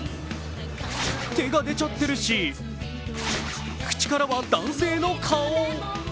手が出ちゃってるし口からは男性の顔。